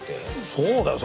そうだよ！